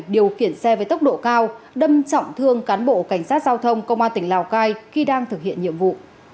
điều khiển xe với tốc độ cao đâm trọng thương cán bộ cảnh sát giao thông công an tỉnh lào cai khi đang thực hiện nhiệm vụ